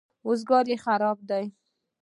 روزګار یې خراب دی.